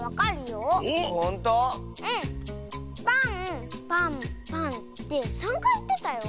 パンパンパンって３かいいってたよ。